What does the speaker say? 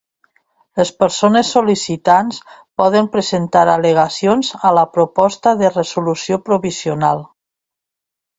Les persones sol·licitants poden presentar al·legacions a la proposta de resolució provisional.